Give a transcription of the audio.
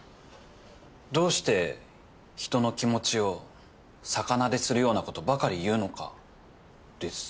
どうして人の気持ちを逆なでするようなことばかり言うのかです。